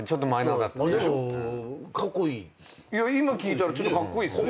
今聞いたらちょっとカッコイイっすよね。